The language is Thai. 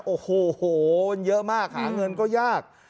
โอ้โหโช่เหมาะหาเงินก็ยาก